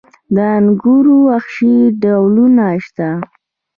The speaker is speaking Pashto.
د انګورو وحشي ډولونه شته؟